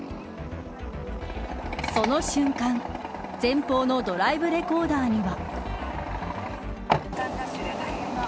その瞬間前方のドライブレコーダーには。